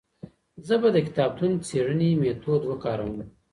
زه به د کتابتون څېړنې ميتود وکاروم.